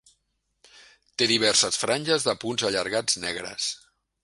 Té diverses franges de punts allargats negres.